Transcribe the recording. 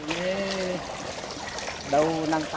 ini daun nangka